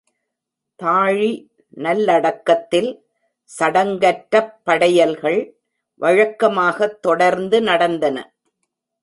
தாழி நல்லடக்கத்தில் சடங்கற்றப் படையல்கள் வழக்கமாக தொடர்ந்து நடந்தன.